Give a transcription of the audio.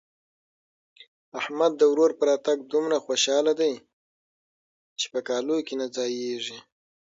احمد د ورور په راتګ دومره خوشاله دی چې په کالو کې نه ځايېږي.